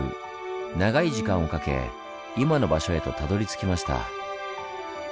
長い時間をかけ今の場所へとたどりつきました。